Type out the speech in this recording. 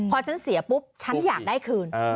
พอฉันเสียปุ๊บฉันอยากได้คืน